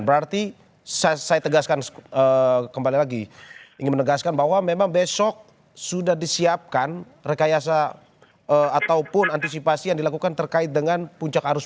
berarti saya tegaskan kembali lagi ingin menegaskan bahwa memang besok sudah disiapkan rekayasa ataupun antisipasi yang dilakukan terkait dengan puncak arus